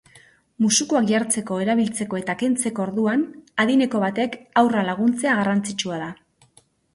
Musukoak jartzeko, erabiltzeko eta kentzeko orduan adineko batek haurra laguntzea garrantzitsua da.